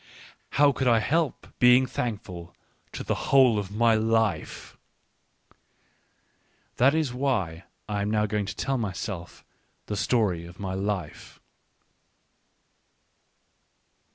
How could I help being thankful to the whole of my life? That is why I am now going to tell myself the story of my life.